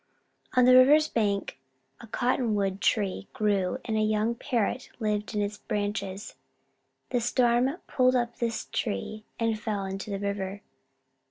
On the river's bank a cottonwood tree grew, and a young Parrot lived in its branches. The storm pulled up this tree, and it fell into the river.